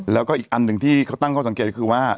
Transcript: แล้วก็อีกอันหนึ่งที่เขาตั้งข้อสังเกตคือว่า